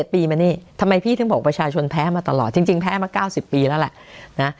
ปีมานี่ทำไมพี่ถึงบอกประชาชนแพ้มาตลอดจริงแพ้มา๙๐ปีแล้วแหละนะ